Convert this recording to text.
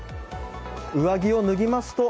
上着を脱ぎますと、